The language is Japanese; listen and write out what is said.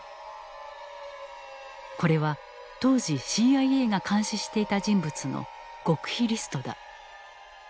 これは当時ＣＩＡが監視していた人物の極秘リストだ。